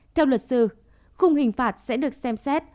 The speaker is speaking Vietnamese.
theo luật sư khung hình phạt sẽ được xem xét